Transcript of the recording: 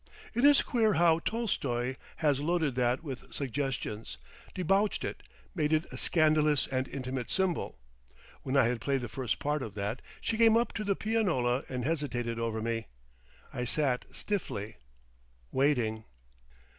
It is queer how Tolstoy has loaded that with suggestions, debauched it, made it a scandalous and intimate symbol. When I had played the first part of that, she came up to the pianola and hesitated over me. I sat stiffly—waiting.